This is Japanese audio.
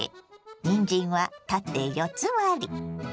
にんじんは縦四つ割り。